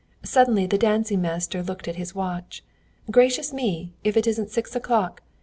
Suddenly the dancing master looked at his watch: 'Gracious me, if it isn't six o'clock!